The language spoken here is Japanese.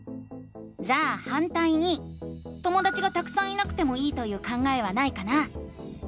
じゃあ「反対に」ともだちがたくさんいなくてもいいという考えはないかな？